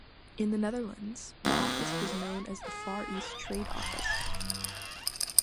In the Netherlands, the office was known as the "Far East Trade Office".